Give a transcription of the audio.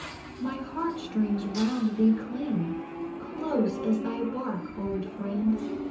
My heart strings round thee cling, Close as thy bark, old friend!